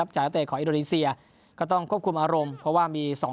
จาระเตของอิโรดิเซียก็ต้องควบคุมอารมณ์เพราะว่า